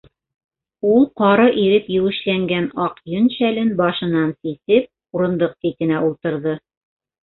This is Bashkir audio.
Ул ҡары иреп еүешләнгән аҡ йөн шәлен башынан сисеп, урындыҡ ситенә ултырҙы.